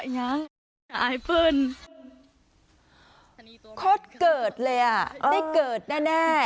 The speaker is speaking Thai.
อ๋ออย่างงี้ขอดเกิดเลยอ่ะได้เกิดแน่แน่